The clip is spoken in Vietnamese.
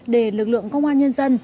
để lực lượng công an nhân dân